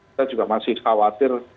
kita juga masih khawatir